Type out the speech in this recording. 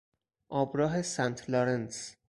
آبراه سنت لارنس